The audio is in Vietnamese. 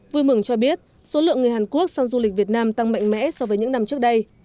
vui mừng cho biết số lượng người hàn quốc sang du lịch việt nam tăng mạnh mẽ so với những năm trước đây